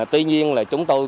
tuy nhiên là chúng tôi